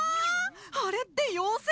あれって妖精？